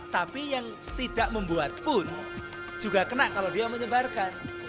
tapi yang tidak membuat pun juga kena kalau dia menyebarkan